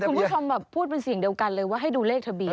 คุณผู้ชมแบบพูดเป็นเสียงเดียวกันเลยว่าให้ดูเลขทะเบียน